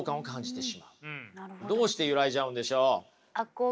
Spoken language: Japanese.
どうして揺らいじゃうんでしょう？